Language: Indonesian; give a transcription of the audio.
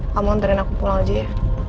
kamu antarin aku pulang aja ya